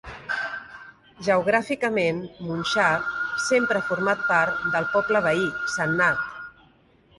Geogràficament, Munxar sempre ha format part del poble veí Sannat.